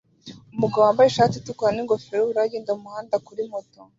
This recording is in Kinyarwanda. Umugabo wambaye ishati itukura ningofero yubururu agenda mumuhanda kuri moto